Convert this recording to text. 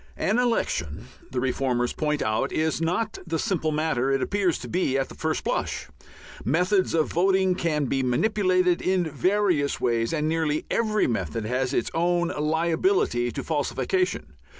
An election, the reformers point out, is not the simple matter it appears to be at the first blush. Methods of voting can be manipulated in various ways, and nearly every method has its own liability to falsification.